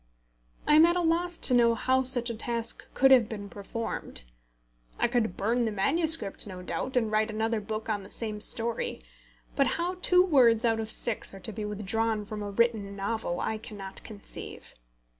I am at a loss to know how such a task could be performed. I could burn the MS., no doubt, and write another book on the same story; but how two words out of six are to be withdrawn from a written novel, I cannot conceive.